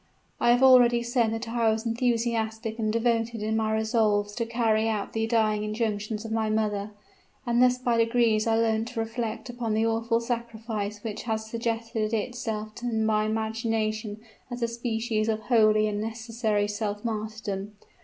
I have already said that I was enthusiastic and devoted in my resolves to carry out the dying injunctions of my mother: and thus by degrees I learnt to reflect upon the awful sacrifice which had suggested itself to my imagination as a species of holy and necessary self martyrdom.